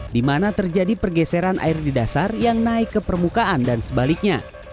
di mana terjadi pergeseran air di dasar yang naik ke permukaan dan sebaliknya